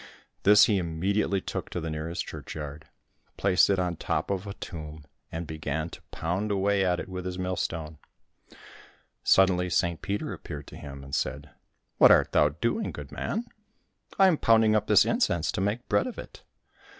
This he immediately took to the nearest churchyard, placed it on the top of a tomb, and began to pound away at it with his millstone. Suddenly St Peter appeared to him and said, " What art thou doing, good man ?"—" I am pounding up this incense to make bread of it."